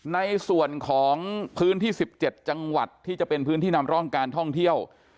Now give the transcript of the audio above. ในส่วนของพื้นที่๑๗จังหวัดที่จะเป็นพื้นที่นำร่องการท่องเที่ยว